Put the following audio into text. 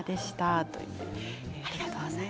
ありがとうございます。